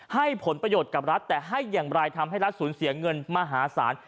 ให้ผลประโยชน์กับรัฐแต่ให้อย่างไรทำให้รัฐสูญเสียเงินมหาศาล